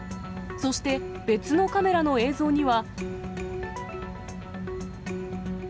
そして別のカメラの映像には。